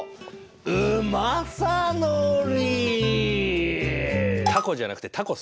うまさのり！